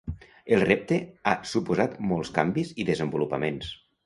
El repte ha suposat molts canvis i desenvolupaments.